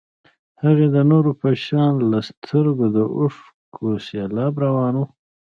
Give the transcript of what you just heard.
هغې د نورو په شان له سترګو د اوښکو سېلاب روان و.